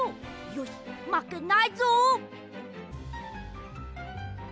よしまけないぞ！